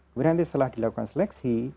kemudian nanti setelah dilakukan seleksi